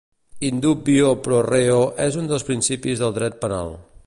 In dubio pro reo és un dels principis del Dret Penal.